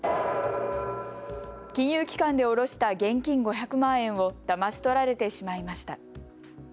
金融機関で下ろした現金５００万円をだまし取られてしまいました。